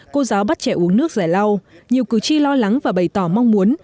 cô giáo bắt trẻ uống nước rẻ lau nhiều cử tri lo lắng và bày tỏ mong muốn